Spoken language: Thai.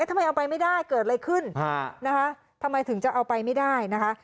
ทำไมเอาไปไม่ได้เกิดอะไรขึ้นนะคะทำไมถึงจะเอาไปไม่ได้นะคะ